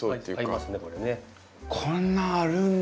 こんなあるんだ。